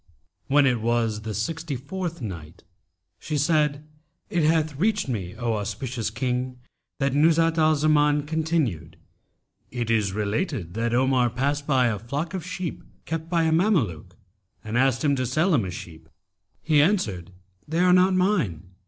When it was the Sixty fourth Night, She said, It hath reached me, O auspicious King, that Nuzhat al Zaman continued, "It is related that Omar passed by a flock of sheep, kept by a Mameluke, and asked him to sell him a sheep. He answered, 'They are not mine.'